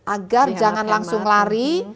agar jangan langsung lari